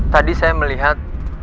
tadi saya melihat